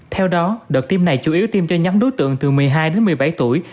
theo đó đợt tiêm này chủ yếu tiêm cho nhóm đối tượng từ một mươi hai đến một mươi bảy tuổi